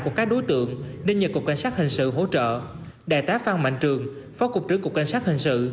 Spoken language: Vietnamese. của các đối tượng nên nhờ cục cảnh sát hình sự hỗ trợ đại tá phan mạnh trường phó cục trưởng cục cảnh sát hình sự